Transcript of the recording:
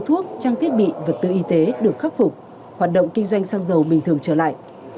thuốc trang thiết bị vật tư y tế được khắc phục hoạt động kinh doanh xăng dầu bình thường trở lại